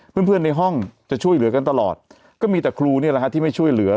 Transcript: เพื่อนเพื่อนในห้องจะช่วยเหลือกันตลอดก็มีแต่ครูนี่แหละฮะที่ไม่ช่วยเหลือ